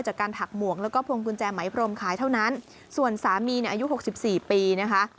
จากการถักหมวงและก็พงกุญแจไหมโพรมขายเท่านั้นส่วนสามีอายุ๖๔ปีนะคะ